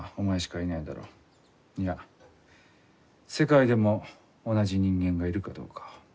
いや世界でも同じ人間がいるかどうか。